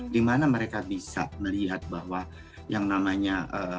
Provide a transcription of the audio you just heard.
dimana mereka bisa melihat bahwa yang namanya